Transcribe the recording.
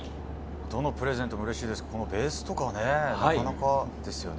どのプレゼントもうれしいですけど、ベースとか、なかなかですよね。